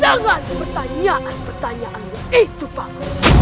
jangan pertanyaan pertanyaanmu itu pak